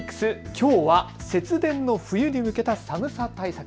きょうは節電の冬に向けた寒さ対策。